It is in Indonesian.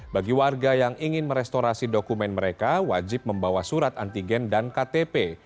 bagi warga yang ingin merestorasi dokumen mereka wajib membawa surat antigen dan ktp